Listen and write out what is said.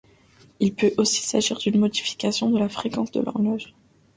Il peut aussi s'agir d'une modification de la fréquence de l'horloge.